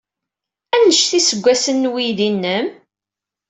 Anect iseggasen n weydi-nnem?